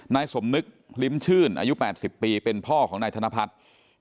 นายสมนึกลิ้มชื่นอายุ๘๐ปีเป็นพ่อของนายธนพัฒน์